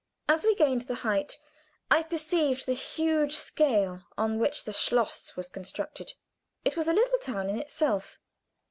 As we gained the height, I perceived the huge scale on which the schloss was constructed. It was a little town in itself.